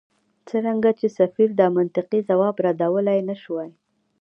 څرنګه چې سفیر دا منطقي ځواب ردولای نه شوای.